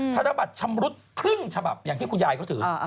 ธนบัตรชำรุดครึ่งฉบับอย่างที่คุณยายเขาถือ